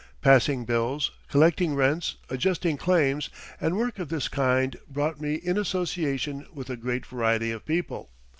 Passing bills, collecting rents, adjusting claims, and work of this kind brought me in association with a great variety of people.